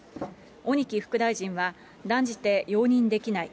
鬼木副大臣は断じて容認できない。